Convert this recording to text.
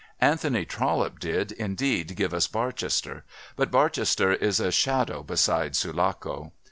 Anthony Trollope did, indeed, give us Barchester, but Barchester is a shadow beside Sulaco.